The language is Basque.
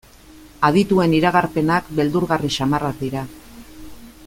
Adituen iragarpenak beldurgarri samarrak dira.